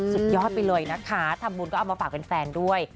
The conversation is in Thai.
สุดยอดไปเลยนะคะทำบุญก็เอามาฝากแฟนด้วย